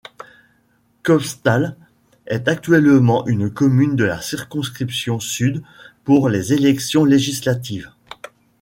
Kopstal est actuellement une commune de la circonscription Sud pour les élections législatives.